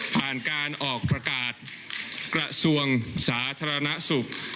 ผ่านการออกประกาศกระทรวงสาธารณสุข